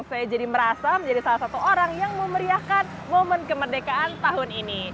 saya jadi merasa menjadi salah satu orang yang memeriahkan momen kemerdekaan tahun ini